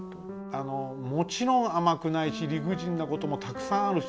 あのもちろん甘くないし理不尽なこともたくさんあるし。